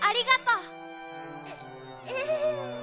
うっうん。